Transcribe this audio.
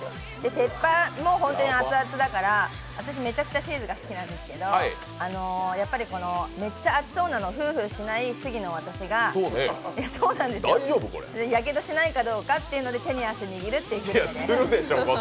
鉄板も本当に熱々だから、私めちゃくちゃチーズが好きなんですけど、やっぱりめっちゃ熱そうなのをふーふーしない主義の私がやけどしないかどうかというので手に汗握るということです。